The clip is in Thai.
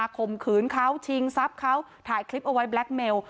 ข่มขืนเขาชิงทรัพย์เขาถ่ายคลิปเอาไว้แบล็คเมล